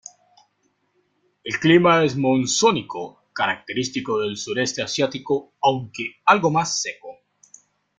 El clima es monzónico característico del sureste asiático aunque algo más seco.